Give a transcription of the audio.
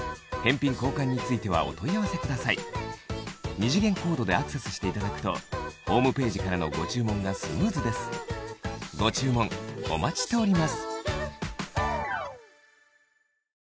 二次元コードでアクセスしていただくとホームページからのご注文がスムーズですご注文お待ちしております